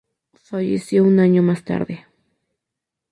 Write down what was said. Falleció un año más tarde.